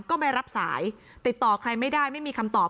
ก็ไม่รับสายติดต่อใครไม่ได้ไม่มีคำตอบ